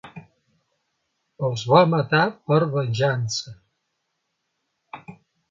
Els va matar per venjança.